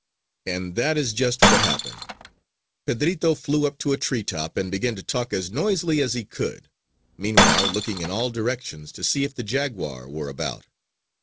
And that is just what happened. Pedrito flew up to a tree top and began to talk as noisily as he could, meanwhile looking in all directions to see if the jaguar were about.